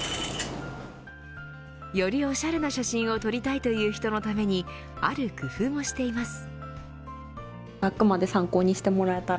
よりおしゃれな写真を撮りたいという人のためにある工夫をしています。